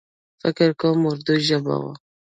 فکر کوم اردو ژبۍ و.